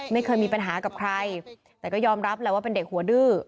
ไม่เคยมีปัญหากับใครแต่ก็ยอมรับแหละว่าเป็นเด็กหัวดื้อ